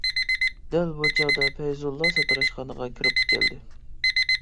دەل بۇ چاغدا پەيزۇللا ساتىراشخانىغا كىرىپ كەلدى.